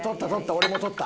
俺も取った。